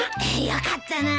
よかったな。